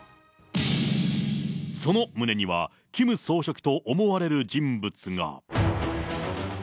その胸には、キム総書記と思われる人物が。